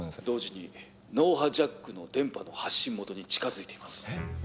「同時に脳波ジャックの電波の発信元に近づいています」えっ！？